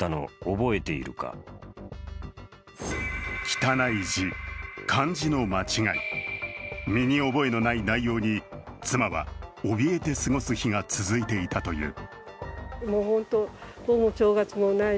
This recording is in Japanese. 汚い字、漢字の間違い、身に覚えのない内容に、妻はおびえて過ごす日が続いていたという。